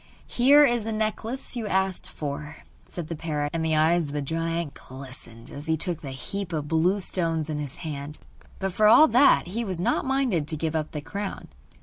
'Here is the necklace you asked for,' said the parrot. And the eyes of the giant glistened as he took the heap of blue stones in his hand. But for all that he was not minded to give up the crown.